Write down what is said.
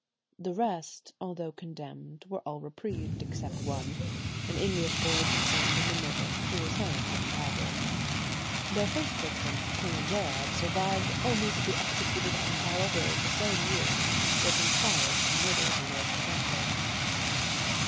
The rest, although condemned, were all reprieved, except one, an English boy concerned in the murder, who was hanged at Tyburn. Their first victim, Colonel Gerard, survived only to be executed on Tower Hill the same year for conspiring to murder the Lord Protector.